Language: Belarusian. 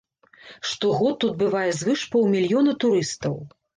Штогод тут бывае звыш паўмільёна турыстаў.